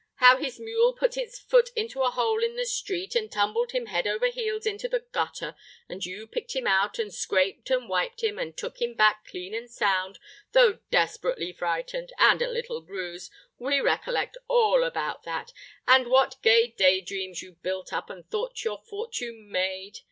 How his mule put its foot into a hole in the street, and tumbled him head over heels into the gutter, and you picked him out, and scraped, and wiped him, and took him back clean and sound, though desperately frightened, and a little bruised. We recollect all about that, and what gay day dreams you built up, and thought your fortune made.